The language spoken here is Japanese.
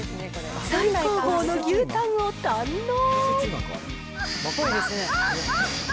最高峰の牛タンを堪能。